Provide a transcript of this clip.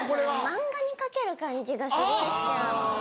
漫画に描ける感じがすごい好き。